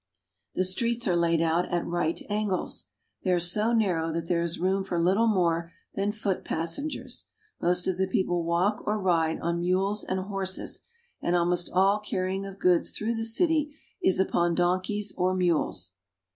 The streets are laid out at right angles. They are so narrow that there is room for little more than foot pas sengers. Most of the people walk or ride on mules and horses, and almost all carrying of goods through the city is upon donkeys or mules.